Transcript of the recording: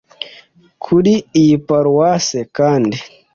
Kuri iyi Paroisse kandi